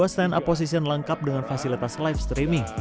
dua stand up position lengkap dengan fasilitas live streaming